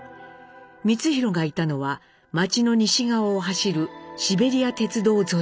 光宏がいたのは町の西側を走るシベリア鉄道沿いです。